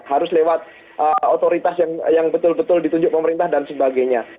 harus lewat otoritas yang betul betul ditunjuk pemerintah dan sebagainya